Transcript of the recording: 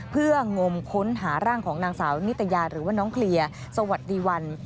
เพื่องมค้นหาร่างของนางสาวนิตยาหรือว่าน้องเคลียร์สวัสดีวัน